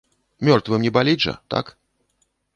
Мёртвым не баліць жа, так?